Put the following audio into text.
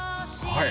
はい？